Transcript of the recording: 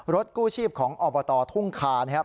กู้ชีพของอบตทุ่งคานะครับ